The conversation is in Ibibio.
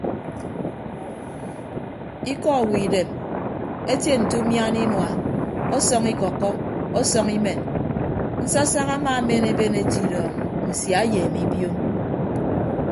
Ikọ owo idem etie nte umiana inua ọsọñ ikọkkọ ọsọñ imen nsasak amaamen eben etidọọñ nsia eyeeme ibiom.